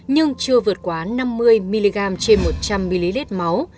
nhưng chưa vượt quá năm mươi mg trên một trăm linh ml máu